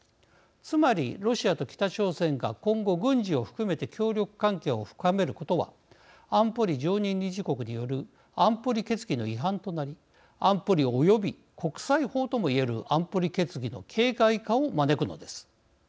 つまりロシアと北朝鮮が今後、軍事を含めて協力関係を深めることは安保理常任理事国による安保理決議の違反となり安保理および国際法とも言える安保理決議の形骸化を招くのです。